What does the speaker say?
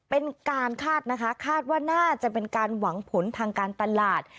เป็นการคาดนะคะคาดว่าน่าจะเป็นการหวังผลทางการตลาด